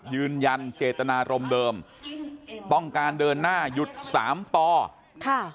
ยืนยันเจตนารมณ์เดิมต้องการเดินหน้าหยุดสามต่อค่ะ